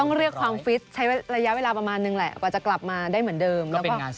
เรียกความฟิตใช้ระยะเวลาประมาณนึงแหละกว่าจะกลับมาได้เหมือนเดิมแล้วก็